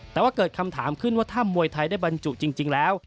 แต่ว่าเกิดคำถามขึ้นว่าถ้ามวยไทยได้บรรจุจริงแล้ว